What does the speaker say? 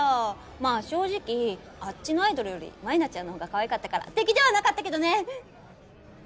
まぁ正直あっちのアイドルより舞菜ちゃんのほうがかわいかったから敵ではなかったけどね！